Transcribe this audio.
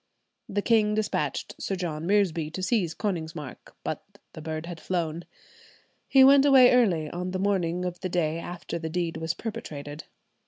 The king despatched Sir John Reresby to seize Konigsmark, but the bird had flown; he went away early, on the morning of the day after the deed was perpetrated.